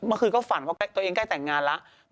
เมื่อคืนก็ฝันว่าตัวเองใกล้แต่งงานแล้ว